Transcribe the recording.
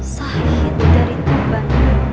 sahid dari tupan